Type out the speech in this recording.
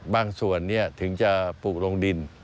บางส่วนถึงจะปลูกลงดิน